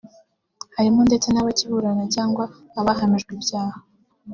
harimo ndetse n’abakiburana cyangwa abahamijwe ibyaha